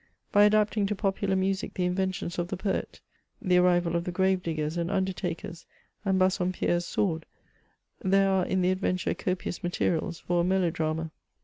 By adapting to popu lar music the inventions of the poet, — ^the arrival of the grave diggers and undertakers, and Bassompierre' s sword, — ^there are in the adventure copious materials for a melodrama.